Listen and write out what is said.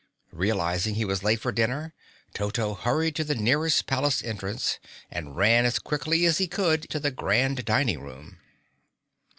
Realizing he was late for dinner, Toto hurried to the nearest palace entrance and ran as quickly as he could to the Grand Dining Room.